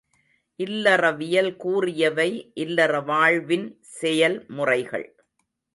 இல்லறவியல் கூறியவை இல்லற வாழ்வின் செயல் முறைகள்!